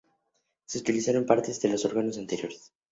Se utilizaron partes de los órganos anteriores.